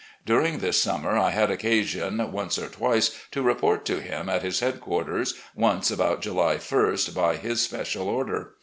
During this summer, I had occasion, once or twice, to report to him at his headquarters, once about July 1st by his special order.